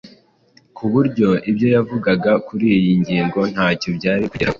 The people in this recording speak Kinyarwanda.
ku buryo ibyo yavugaga kuri iyi ngingo ntacyo byari kugeraho.